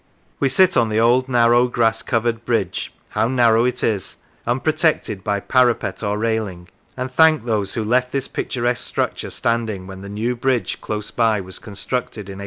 We sit on the old, narrow, grass covered bridge (how narrow it is !), unprotected by parapet or railing, and thank those who left this picturesque structure 130 The Rivers standing when the new bridge close by was con structed in 1826.